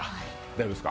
大丈夫です。